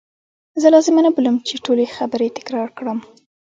زه لازمه نه بولم چې ټولي خبرې تکرار کړم.